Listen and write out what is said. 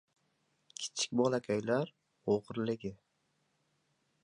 Kichik bolakaylar o‘g‘riligi.